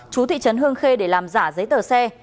chú thị trấn hương khê để làm giả giấy tờ xe